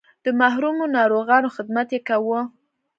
د محرومو ناروغانو خدمت یې کاوه.